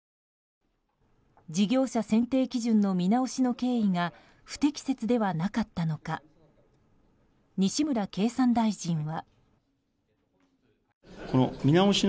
事業者選定基準の見直しの経緯が不適切ではなかったのか西村経産大臣は。